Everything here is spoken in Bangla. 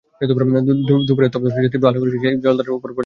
দুপুরের তপ্ত সূর্যের তীব্র আলোকরশ্মি সেই জলধারার ওপর পড়ে সৃষ্টি করে রংধনু।